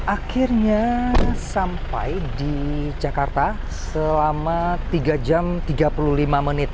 akhirnya sampai di jakarta selama tiga jam tiga puluh lima menit